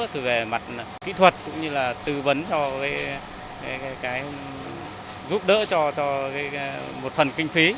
từ về mặt kỹ thuật cũng như là tư vấn giúp đỡ cho một phần kinh phí